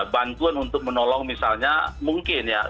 bantuan untuk menolong misalnya mungkin ya